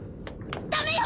ダメよ